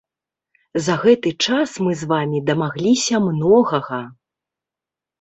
За гэты час мы з вамі дамагліся многага.